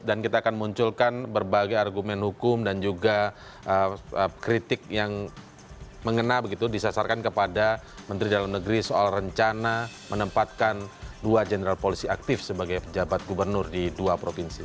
dan kita akan munculkan berbagai argumen hukum dan juga kritik yang mengena begitu disasarkan kepada menteri dalam negeri soal rencana menempatkan dua general policy aktif sebagai jabat gubernur di dua provinsi